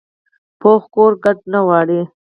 پوخ کور کډه نه غواړي